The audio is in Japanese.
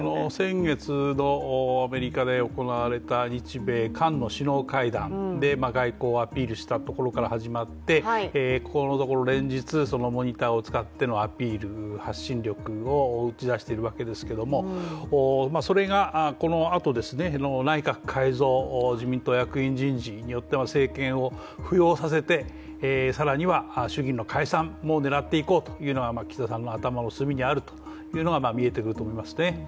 先月のアメリカで行われた日米韓の首脳会談で外交アピールしたところから始まってここのところ連日モニターを使ってのアピール、発信力を打ち出しているわけですけどそれがこのあとの内閣改造・自民党役員人事によって政権を浮揚させて、更には衆議院の解散も狙っていこうというのが岸田さんの頭の隅にあるというのが見えてきますね。